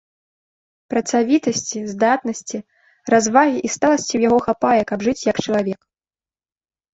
Працавітасці, здатнасці, развагі і сталасці ў яго хапае, каб жыць, як чалавек.